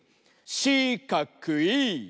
しかくい！